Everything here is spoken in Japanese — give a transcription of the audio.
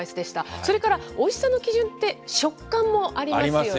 それからおいしさの基準って、食感もありますよね。